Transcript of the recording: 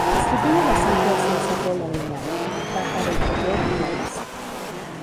Distribuye la sangre hacia el saco lagrimal, párpado inferior y nariz.